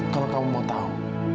kalau kamu mau tahu